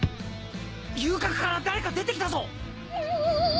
遊郭から誰か出てきたぞ。